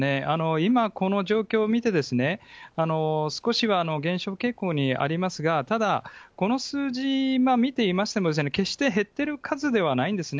今、この状況を見て、少しは減少傾向にありますが、ただ、この数字見ていましても、決して減ってる数ではないんですね。